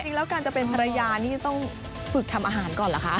จริงแล้วการจะเป็นภรรยานี่ต้องฝึกทำอาหารก่อนเหรอคะ